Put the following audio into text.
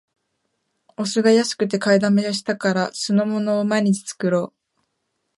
お酢が安くて買いだめしたから、酢の物を毎日作ろう